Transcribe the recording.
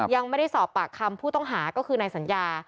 ยังไม่ได้สอบปากคำผู้ต้องหาก็คือนายสัญญา